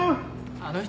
あの人